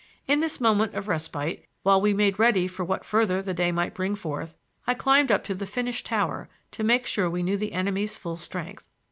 In this moment of respite, while we made ready for what further the day might bring forth, I climbed up to the finished tower to make sure we knew the enemy's full strength.